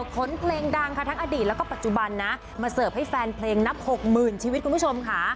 เพลงดังค่ะทั้งอดีตแล้วก็ปัจจุบันนะมาเสิร์ฟให้แฟนเพลงนับหกหมื่นชีวิตคุณผู้ชมค่ะ